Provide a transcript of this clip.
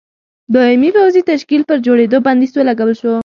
دایمي پوځي تشکیل پر جوړېدو بندیز ولګول شو.